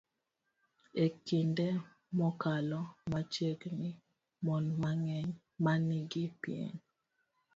E kinde mokalo machiegni, mon mang'eny ma nigi pien